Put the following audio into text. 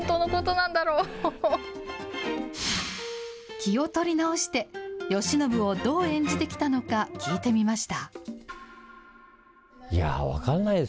気を取り直して、慶喜をどう演じてきたのか聞いてみました。